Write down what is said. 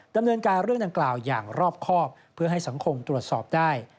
ดำเนินการเรื่องดังกล่าวอย่างรอบครอบเพื่อให้สังคมตรวจสอบได้